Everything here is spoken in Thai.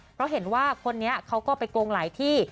เพราะเห็นว่าคนนี้เขาก็ไปโกงหลายที่